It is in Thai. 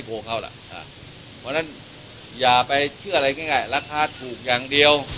เพราะฉะนั้นอย่าไปเชื่ออะไรง่ายราคาถูกอย่างเดียว